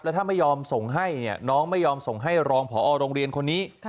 ถ้าไม่ยอมส่งให้เนี่ยน้องไม่ยอมส่งให้รองพอโรงเรียนคนนี้